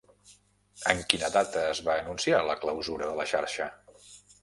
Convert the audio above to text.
En quina data es va anunciar la clausura de la xarxa?